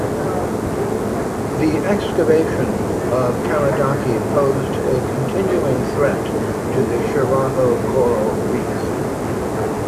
The excavation of Karadake posed a continuing threat to the Shiraho coral reef.